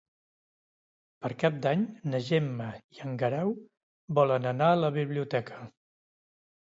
Per Cap d'Any na Gemma i en Guerau volen anar a la biblioteca.